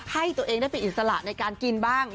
ให้ตัวเองได้เป็นอิสระในการกินบ้าง